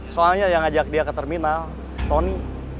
soalnya yang ajak dia ke terminal tony